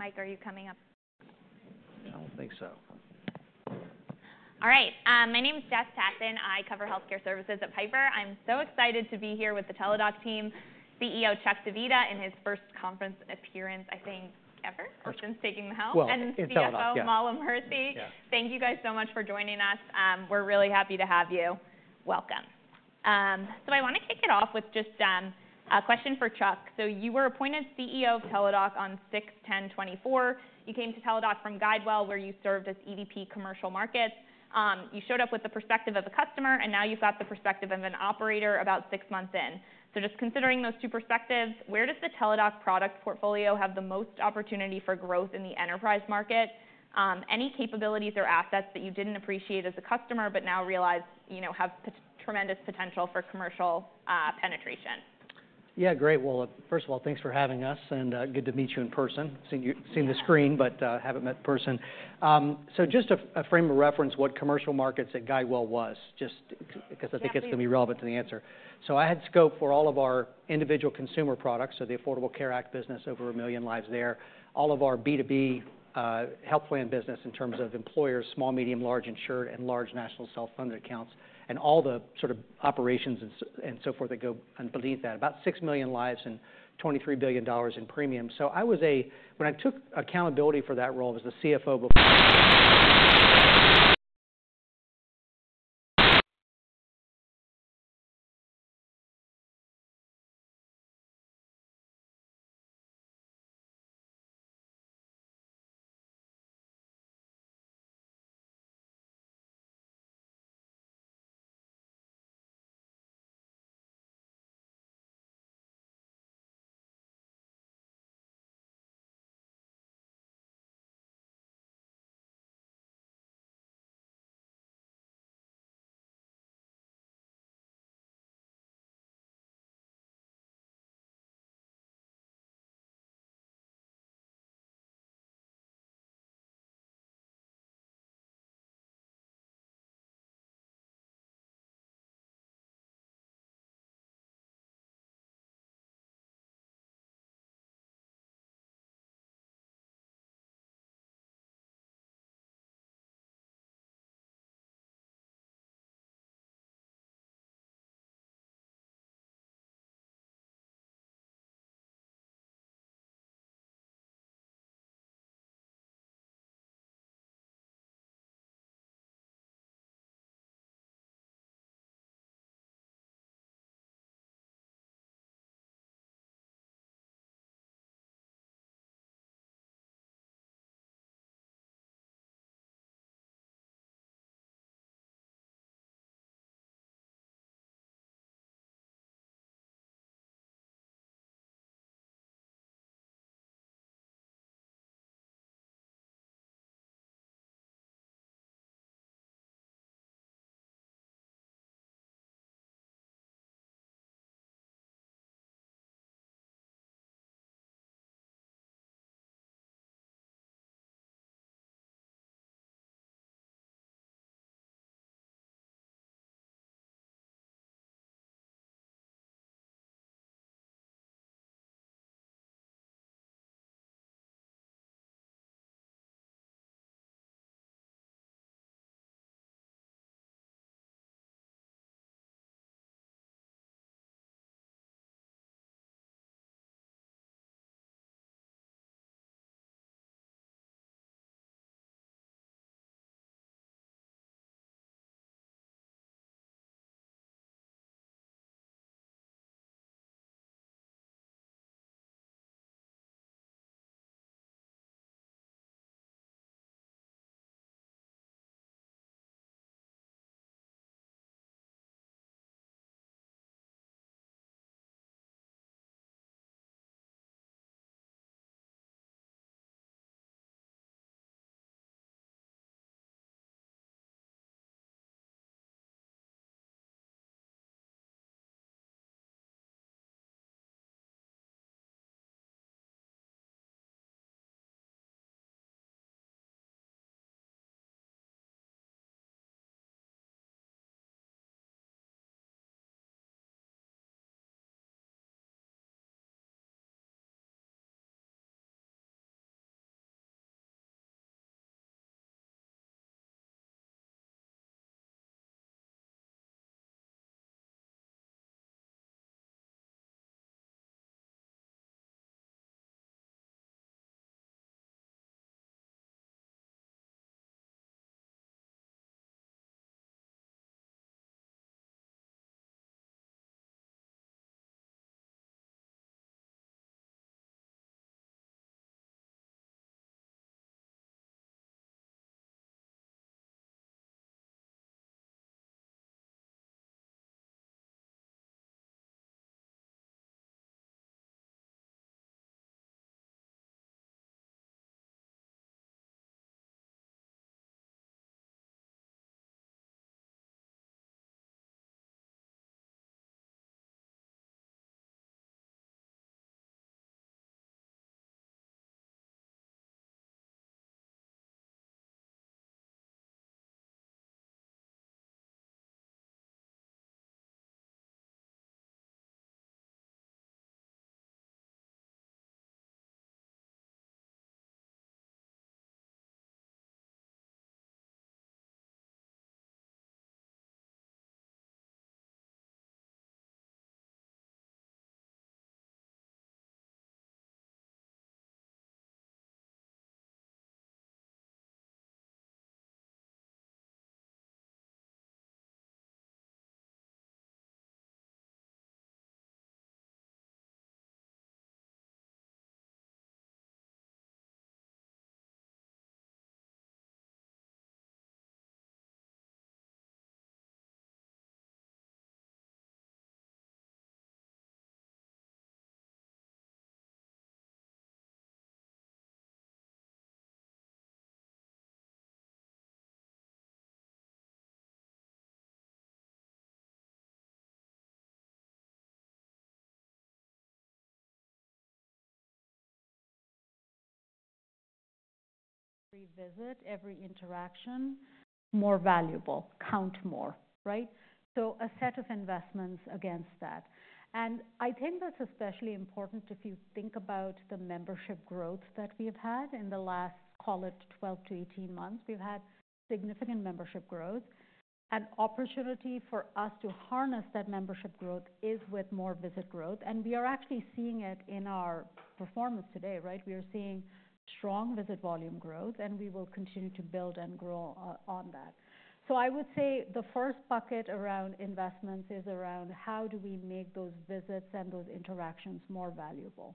Mike, are you coming up? I don't think so. All right. My name's Jess Tassan. I cover healthcare services at Piper. I'm so excited to be here with the Teladoc team. CEO Chuck Divita in his first conference appearance, I think, ever since taking the helm? It's out of. And CFO Mala Murthy. Yeah. Thank you guys so much for joining us. We're really happy to have you. Welcome. So I want to kick it off with just a question for Chuck. So you were appointed CEO of Teladoc on June 10, 2024. You came to Teladoc from GuideWell, where you served as EVP Commercial Markets. You showed up with the perspective of a customer, and now you've got the perspective of an operator about six months in. So just considering those two perspectives, where does the Teladoc product portfolio have the most opportunity for growth in the enterprise market? Any capabilities or assets that you didn't appreciate as a customer but now realize have tremendous potential for commercial penetration? Yeah, great. Well, first of all, thanks for having us, and good to meet you in person. Seen the screen, but haven't met in person. So just a frame of reference, what commercial markets at GuideWell was, just because I think it's going to be relevant to the answer. So I had scope for all of our individual consumer products, so the Affordable Care Act business, over a million lives there, all of our B2B health plan business in terms of employers, small, medium, large, insured, and large national self-funded accounts, and all the sort of operations and so forth that go underneath that, about six million lives and $23 billion in premium. So when I took accountability for that role, I was the CFO before. Every visit, every interaction, more valuable, count more, right, so a set of investments against that. And I think that's especially important if you think about the membership growth that we have had in the last, call it, 12 to 18 months. We've had significant membership growth. An opportunity for us to harness that membership growth is with more visit growth. And we are actually seeing it in our performance today, right? We are seeing strong visit volume growth, and we will continue to build and grow on that, so I would say the first bucket around investments is around how do we make those visits and those interactions more valuable?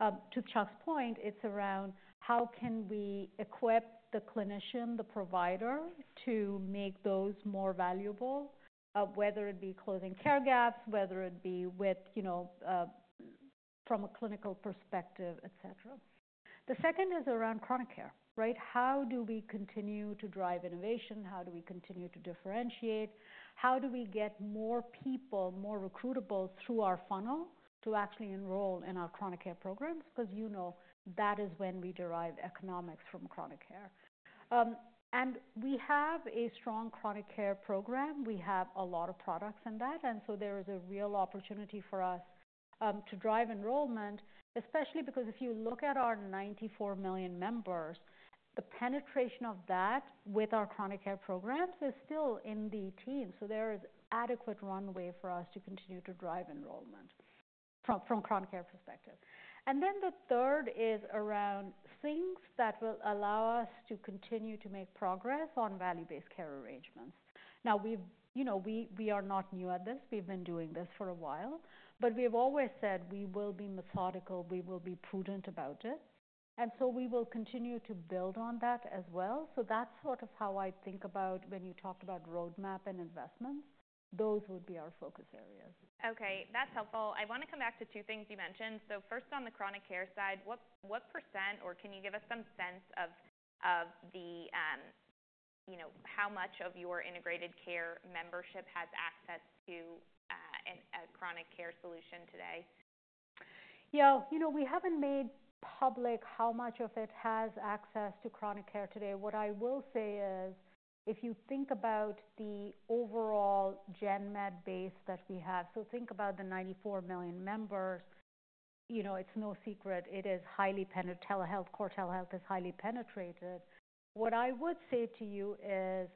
To Chuck's point, it's around how can we equip the clinician, the provider, to make those more valuable, whether it be closing care gaps, whether it be from a clinical perspective, etc. The second is around chronic care, right? How do we continue to drive innovation? How do we continue to differentiate? How do we get more people, more recruitable through our funnel to actually enroll in our Chronic Care programs? Because you know that is when we derive economics from Chronic Care. And we have a strong Chronic Care program. We have a lot of products in that. And so there is a real opportunity for us to drive enrollment, especially because if you look at our 94 million members, the penetration of that with our Chronic Care programs is still in the teens. So there is adequate runway for us to continue to drive enrollment from a Chronic Care perspective. And then the third is around things that will allow us to continue to make progress on value-based care arrangements. Now, we are not new at this. We've beendoing this for a while. But we have always said we will be methodical. We will be prudent about it. And so we will continue to build on that as well. So that's sort of how I think about when you talk about roadmap and investments. Those would be our focus areas. Okay. That's helpful. I want to come back to two things you mentioned. So first, on the Chronic Care side, what percent, or can you give us some sense of how much of your Integrated Care membership has access to a Chronic Care solution today? Yeah. We haven't made public how much of it has access to Chronic Care today. What I will say is if you think about the overall GenMed base that we have, so think about the 94 million members, it's no secret. It is highly core telehealth is highly penetrated. What I would say to you is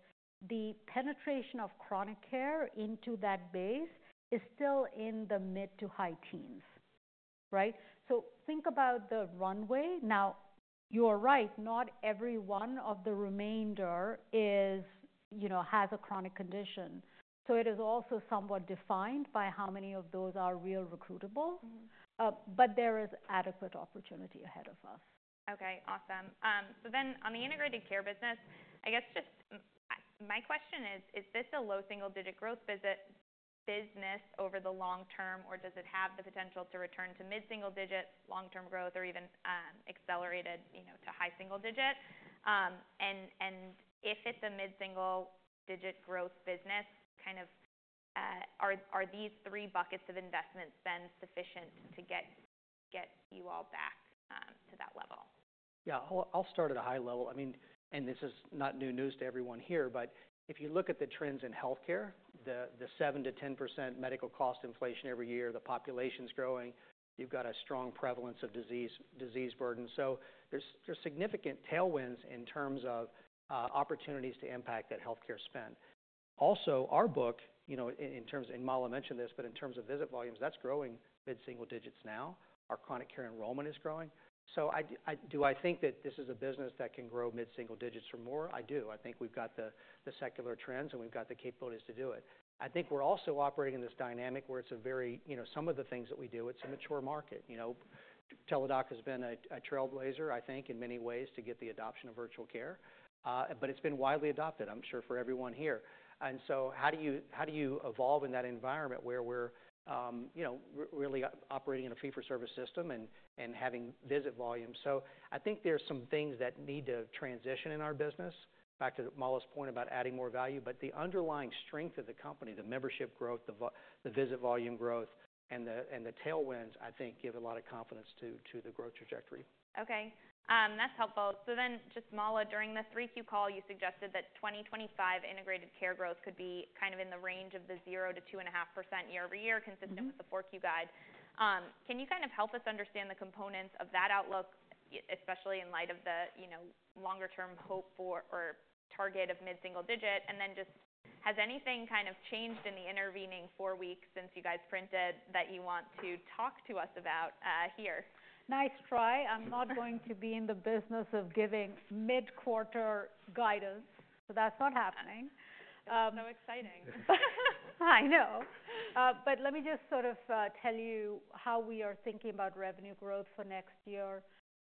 the penetration of Chronic Care into that base is still in the mid to high teens, right? So think about the runway. Now, you are right. Not every one of the remainder has a chronic condition. So it is also somewhat defined by how many of those are real recruitable. But there is adequate opportunity ahead of us. Okay. Awesome. So then on the Integrated Care business, I guess just my question is, is this a low single-digit growth business over the long term, or does it have the potential to return to mid-single digits, long-term growth, or even accelerated to high single digit? And if it's a mid-single digit growth business, kind of are these three buckets of investments then sufficient to get you all back to that level? Yeah. I'll start at a high level. I mean, and this is not new news to everyone here, but if you look at the trends in healthcare, the 7%-10% medical cost inflation every year, the population's growing, you've got a strong prevalence of disease burden. So there's significant tailwinds in terms of opportunities to impact that healthcare spend. Also, our book, in terms of, and Mala mentioned this, but in terms of visit volumes, that's growing mid-single digits now. Our chronic care enrollment is growing. So do I think that this is a business that can grow mid-single digits or more? I do. I think we've got the secular trends, and we've got the capabilities to do it. I think we're also operating in this dynamic where it's a very, some of the things that we do, it's a mature market. Teladoc has been a trailblazer, I think, in many ways to get the adoption of virtual care. But it's been widely adopted, I'm sure, for everyone here. And so how do you evolve in that environment where we're really operating in a fee-for-service system and having visit volume? So I think there's some things that need to transition in our business, back to Mala's point about adding more value. But the underlying strength of the company, the membership growth, the visit volume growth, and the tailwinds, I think, give a lot of confidence to the growth trajectory. Okay. That's helpful. So then just, Mala, during the 3Q call, you suggested that 2025 integrated care growth could be kind of in the range of the 0%-2.5% year over year, consistent with the 4Q guide. Can you kind of help us understand the components of that outlook, especially in light of the longer-term hope for or target of mid-single digit? And then just has anything kind of changed in the intervening four weeks since you guys printed that you want to talk to us about here? Nice try. I'm not going to be in the business of giving mid-quarter guidance. So that's not happening. That's so exciting. I know, but let me just sort of tell you how we are thinking about revenue growth for next year,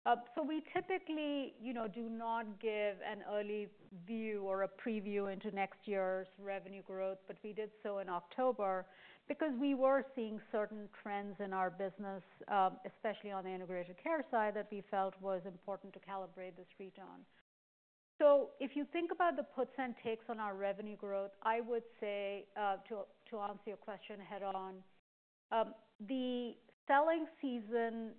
so we typically do not give an early view or a preview into next year's revenue growth, but we did so in October because we were seeing certain trends in our business, especially on the Integrated Care side, that we felt was important to calibrate this region, so if you think about the puts and takes on our revenue growth, I would say, to answer your question head-on, the selling season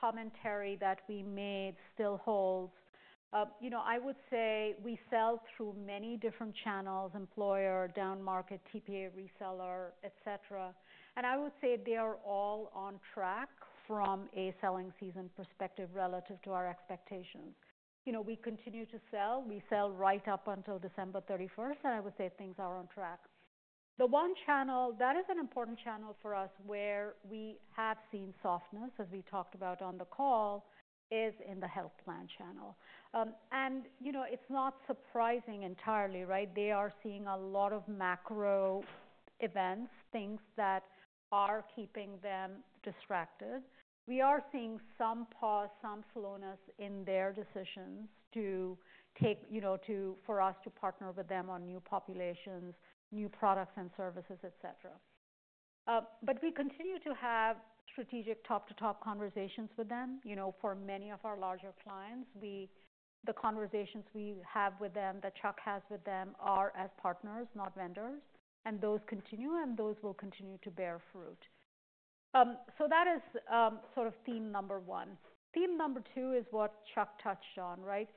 commentary that we made still holds. I would say we sell through many different channels: employer, down market, TPA, reseller, etc. And I would say they are all on track from a selling season perspective relative to our expectations. We continue to sell. We sell right up until December 31st, and I would say things are on track. The one channel that is an important channel for us where we have seen softness, as we talked about on the call, is in the health plan channel, and it's not surprising entirely, right? They are seeing a lot of macro events, things that are keeping them distracted. We are seeing some pause, some slowness in their decisions for us to partner with them on new populations, new products and services, etc., but we continue to have strategic top-to-top conversations with them. For many of our larger clients, the conversations we have with them, that Chuck has with them, are as partners, not vendors. And those continue, and those will continue to bear fruit, so that is sort of theme number one. Theme number two is what Chuck touched on, right?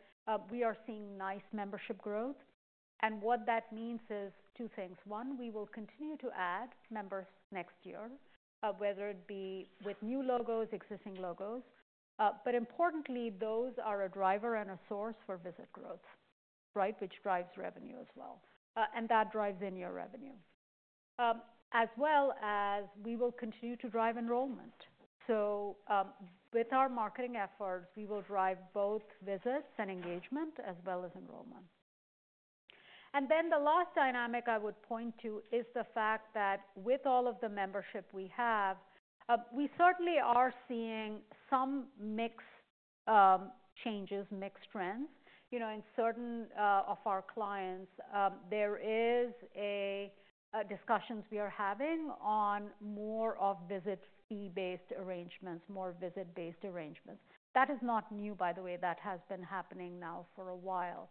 We are seeing nice membership growth, and what that means is two things. One, we will continue to add members next year, whether it be with new logos, existing logos. But importantly, those are a driver and a source for visit growth, right, which drives revenue as well. And that drives in your revenue, as well as we will continue to drive enrollment. So with our marketing efforts, we will drive both visits and engagement as well as enrollment. And then the last dynamic I would point to is the fact that with all of the membership we have, we certainly are seeing some mix changes, mixed trends. In certain of our clients, there are discussions we are having on more of visit fee-based arrangements, more visit-based arrangements. That is not new, by the way. That has been happening now for a while.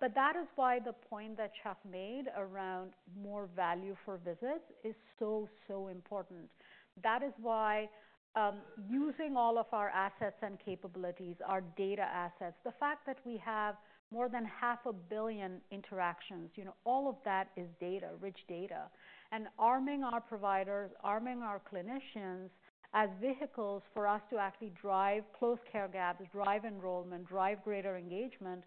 But that is why the point that Chuck made around more value for visits is so, so important. That is why using all of our assets and capabilities, our data assets, the fact that we have more than 500 million interactions, all of that is data, rich data, and arming our providers, arming our clinicians as vehicles for us to actually drive close care gaps, drive enrollment, drive greater engagement,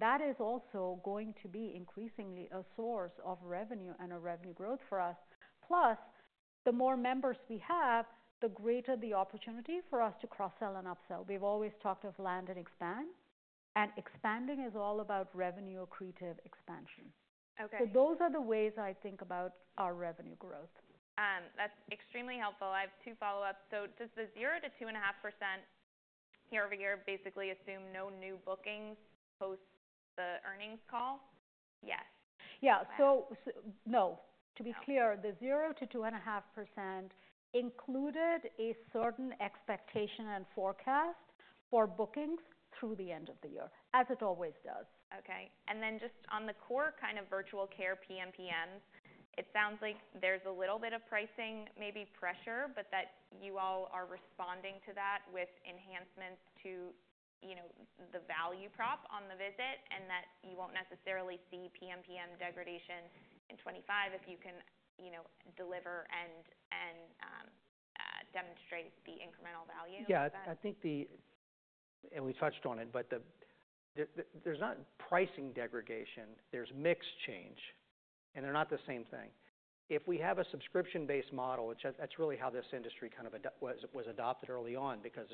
that is also going to be increasingly a source of revenue and a revenue growth for us. Plus, the more members we have, the greater the opportunity for us to cross-sell and upsell. We've always talked of land and expand, and expanding is all about revenue-accretive expansion, so those are the ways I think about our revenue growth. That's extremely helpful. I have two follow-ups. So does the 0% to 2.5% year over year basically assume no new bookings post the earnings call? Yes. Yeah. So no. To be clear, the 0%-2.5% included a certain expectation and forecast for bookings through the end of the year, as it always does. Okay, and then just on the core kind of virtual care PMPM, it sounds like there's a little bit of pricing maybe pressure, but that you all are responding to that with enhancements to the value prop on the visit and that you won't necessarily see PMPM degradation in 2025 if you can deliver and demonstrate the incremental value. Yeah. I think the, and we touched on it, but there's not pricing degradation. There's mix change. And they're not the same thing. If we have a subscription-based model, which that's really how this industry kind of was adopted early on because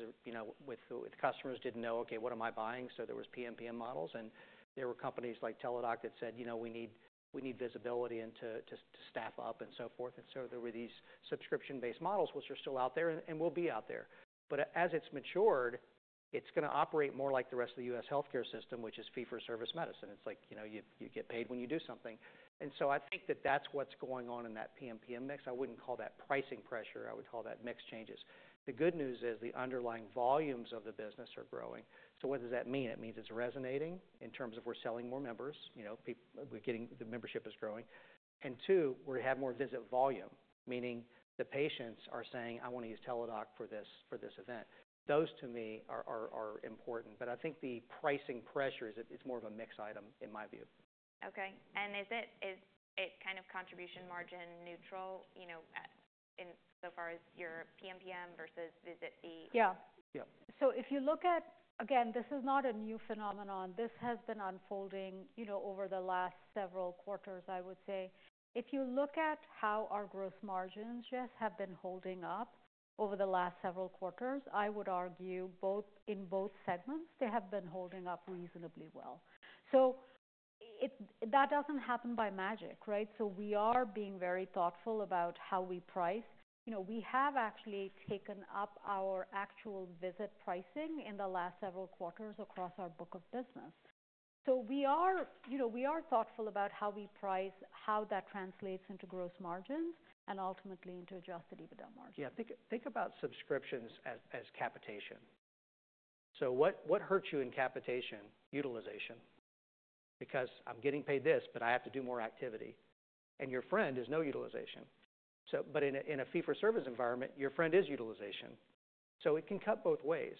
customers didn't know, "Okay, what am I buying?" So there were PMPM models. And there were companies like Teladoc that said, "We need visibility and to staff up and so forth." And so there were these subscription-based models, which are still out there and will be out there. But as it's matured, it's going to operate more like the rest of the U.S. healthcare system, which is fee-for-service medicine. It's like you get paid when you do something. And so I think that that's what's going on in that PMPM mix. I wouldn't call that pricing pressure. I would call that mix changes. The good news is the underlying volumes of the business are growing. So what does that mean? It means it's resonating in terms of we're selling more members. The membership is growing. And two, we have more visit volume, meaning the patients are saying, "I want to use Teladoc for this event." Those to me are important. But I think the pricing pressure is more of a mix item, in my view. Okay. And is it kind of contribution margin neutral in so far as your PMPM versus visit fee? Yeah. So if you look at, again, this is not a new phenomenon. This has been unfolding over the last several quarters, I would say. If you look at how our gross margins just have been holding up over the last several quarters, I would argue in both segments, they have been holding up reasonably well. So that doesn't happen by magic, right? So we are being very thoughtful about how we price. We have actually taken up our actual visit pricing in the last several quarters across our book of business. So we are thoughtful about how we price, how that translates into gross margins, and ultimately into Adjusted EBITDA margin. Yeah. Think about subscriptions as capitation. So what hurts you in capitation utilization? Because I'm getting paid this, but I have to do more activity. And low utilization is your friend. But in a fee-for-service environment, utilization is your friend. So it can cut both ways.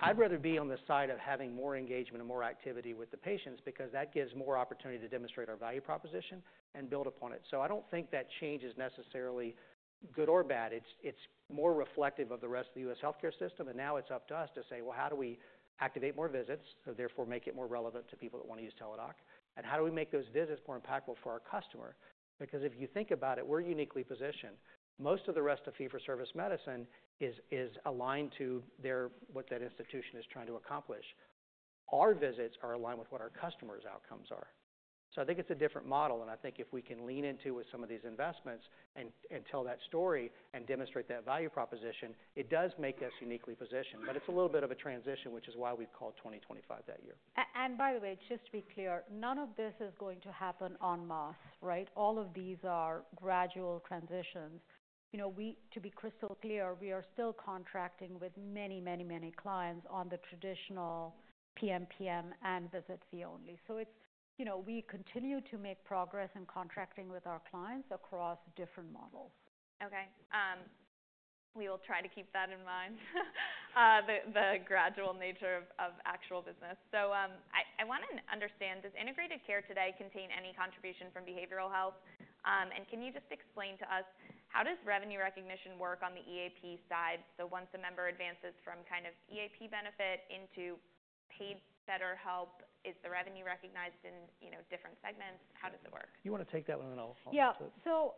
I'd rather be on the side of having more engagement and more activity with the patients because that gives more opportunity to demonstrate our value proposition and build upon it. So I don't think that change is necessarily good or bad. It's more reflective of the rest of the U.S. healthcare system. And now it's up to us to say, "Well, how do we activate more visits?" So therefore, make it more relevant to people that want to use Teladoc. And how do we make those visits more impactful for our customer? Because if you think about it, we're uniquely positioned. Most of the rest of Fee-for-Service medicine is aligned to what that institution is trying to accomplish. Our visits are aligned with what our customer's outcomes are. So I think it's a different model. And I think if we can lean into some of these investments and tell that story and demonstrate that value proposition, it does make us uniquely positioned. But it's a little bit of a transition, which is why we called 2025 that year. And by the way, just to be clear, none of this is going to happen en masse, right? All of these are gradual transitions. To be crystal clear, we are still contracting with many, many, many clients on the traditional PMPM and visit fee only. So we continue to make progress in contracting with our clients across different models. Okay. We will try to keep that in mind, the gradual nature of actual business. So I want to understand, does Integrated Care today contain any contribution from behavioral health? And can you just explain to us, how does revenue recognition work on the EAP side? So once a member advances from kind of EAP benefit into paid BetterHelp, is the revenue recognized in different segments? How does it work? You want to take that one, and then I'll answer it. Yeah. So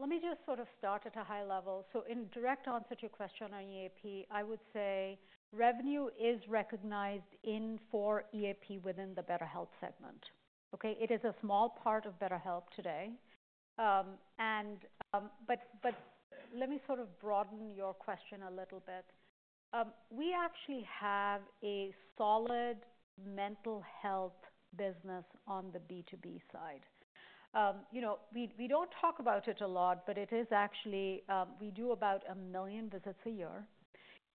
let me just sort of start at a high level. So in direct answer to your question on EAP, I would say revenue is recognized for EAP within the BetterHelp segment. Okay? It is a small part of BetterHelp today. But let me sort of broaden your question a little bit. We actually have a solid mental health business on the B2B side. We don't talk about it a lot, but it is actually, we do about a million visits a year.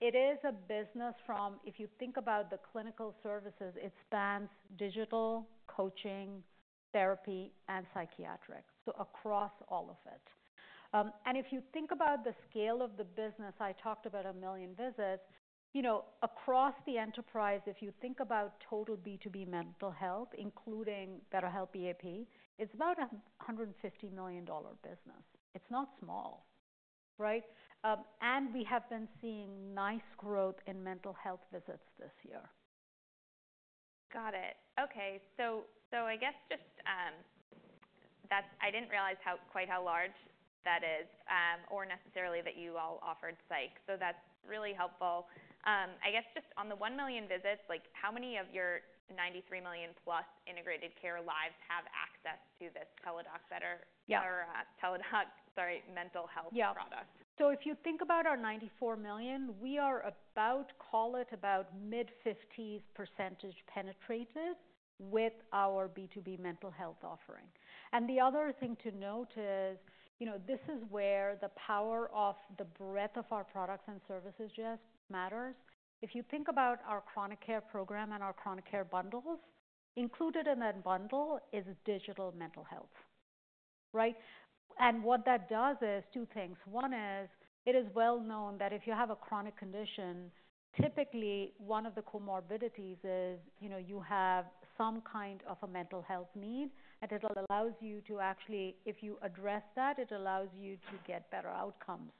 It is a business from, if you think about the clinical services, it spans digital, coaching, therapy, and psychiatric. So across all of it. And if you think about the scale of the business, I talked about a million visits. Across the enterprise, if you think about total B2B mental health, including BetterHelp EAP, it's about a $150 million business. It's not small, right? We have been seeing nice growth in mental health visits this year. Got it. Okay. So I guess just I didn't realize quite how large that is or necessarily that you all offered psych. So that's really helpful. I guess just on the one million visits, how many of your 93 million-plus integrated care lives have access to this Teladoc BetterHelp— Yeah. Teladoc, sorry, mental health product? Yeah. So if you think about our 94 million, we are about, call it about mid-50s% penetrated with our B2B mental health offering. And the other thing to note is this is where the power of the breadth of our products and services just matters. If you think about our chronic care program and our chronic care bundles, included in that bundle is digital mental health, right? And what that does is two things. One is it is well known that if you have a chronic condition, typically one of the comorbidities is you have some kind of a mental health need. And it allows you to actually, if you address that, it allows you to get better outcomes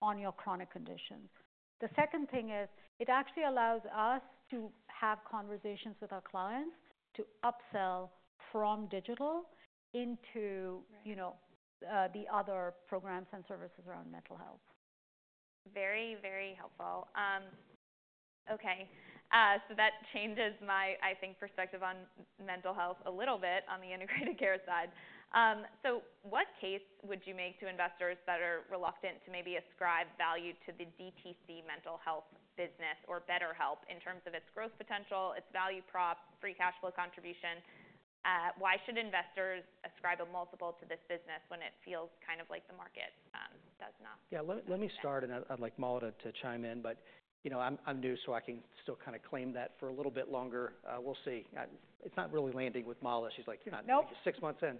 on your chronic conditions. The second thing is it actually allows us to have conversations with our clients to upsell from digital into the other programs and services around mental health. Very, very helpful. Okay. So that changes my, I think, perspective on mental health a little bit on the Integrated Care side. So what case would you make to investors that are reluctant to maybe ascribe value to the DTC mental health business or BetterHelp in terms of its growth potential, its value prop, free cash flow contribution? Why should investors ascribe a multiple to this business when it feels kind of like the market does not? Yeah. Let me start, and I'd like Mala to chime in. But I'm new, so I can still kind of claim that for a little bit longer. We'll see. It's not really landing with Mala. She's like, "You're not there." Six months in.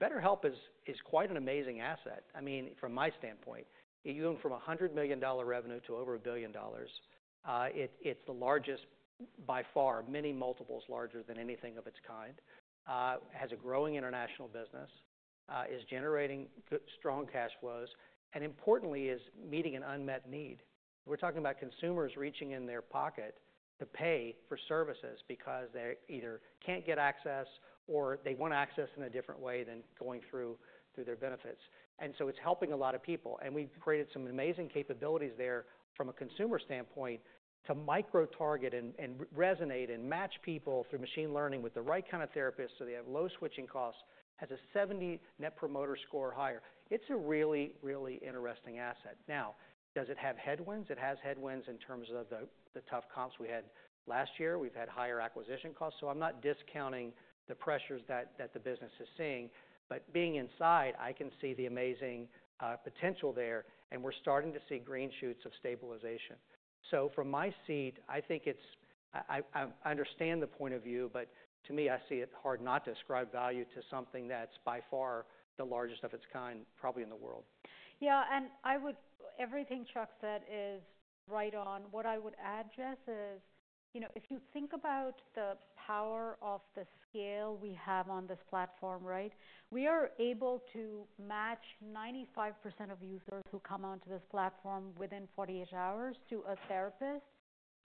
BetterHelp is quite an amazing asset. I mean, from my standpoint, you go from a $100 million revenue to over $1 billion. It's the largest by far, many multiples larger than anything of its kind. It has a growing international business, is generating strong cash flows, and importantly, is meeting an unmet need. We're talking about consumers reaching in their pocket to pay for services because they either can't get access or they want access in a different way than going through their benefits. And so it's helping a lot of people. And we've created some amazing capabilities there from a consumer standpoint to micro-target and resonate and match people through machine learning with the right kind of therapist so they have low switching costs, has a 70 Net Promoter Score higher. It's a really, really interesting asset. Now, does it have headwinds? It has headwinds in terms of the tough comps we had last year. We've had higher acquisition costs. So I'm not discounting the pressures that the business is seeing. But being inside, I can see the amazing potential there. And we're starting to see green shoots of stabilization. So from my seat, I think it's—I understand the point of view, but to me, I see it hard not to ascribe value to something that's by far the largest of its kind, probably in the world. Yeah. And everything Chuck said is right on. What I would add, Jess, is if you think about the power of the scale we have on this platform, right? We are able to match 95% of users who come onto this platform within 48 hours to a therapist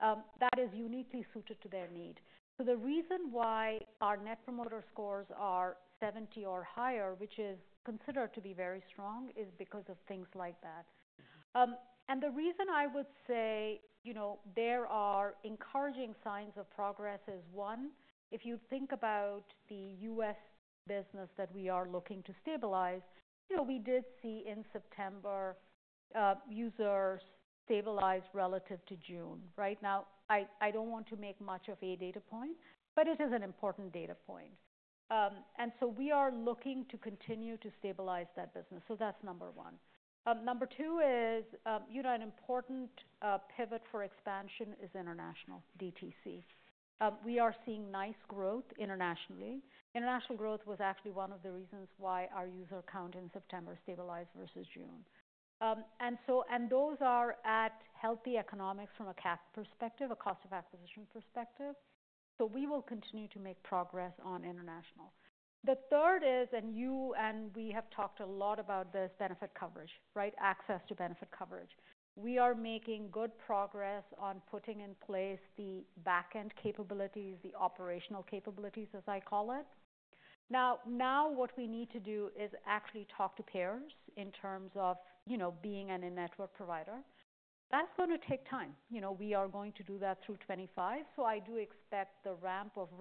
that is uniquely suited to their need. So the reason why our net promoter scores are 70 or higher, which is considered to be very strong, is because of things like that. And the reason I would say there are encouraging signs of progress is, one, if you think about the US business that we are looking to stabilize, we did see in September users stabilize relative to June, right? Now, I don't want to make much of a data point, but it is an important data point. And so we are looking to continue to stabilize that business. So that's number one. Number two is an important pivot for expansion is international DTC. We are seeing nice growth internationally. International growth was actually one of the reasons why our user count in September stabilized versus June. And those are at healthy economics from a cap perspective, a cost of acquisition perspective. So we will continue to make progress on international. The third is, and we have talked a lot about this benefit coverage, right? Access to benefit coverage. We are making good progress on putting in place the backend capabilities, the operational capabilities, as I call it. Now, what we need to do is actually talk to peers in terms of being an in-network provider. That's going to take time. We are going to do that through 2025. So I do expect the ramp of.